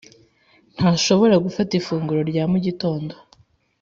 ntashobora gufata ifunguro rya mu gitondo.